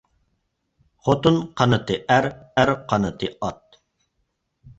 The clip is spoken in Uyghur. خوتۇن قانىتى ئەر، ئەر قانىتى ئات.